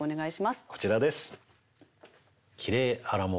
こちらです。